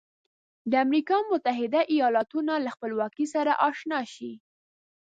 د امریکا متحده ایالتونو له خپلواکۍ سره آشنا شئ.